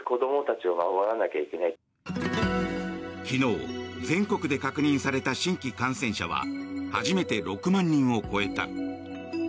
昨日、全国で確認された新規感染者は初めて６万人を超えた。